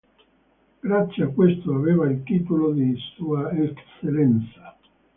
Grazie a questo aveva il titolo di Sua Eccellenza.